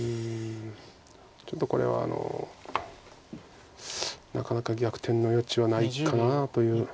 ちょっとこれはなかなか逆転の余地はないかなという。